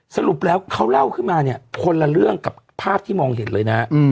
สรุปแล้วเขาเล่าขึ้นมาเนี่ยคนละเรื่องกับภาพที่มองเห็นเลยนะ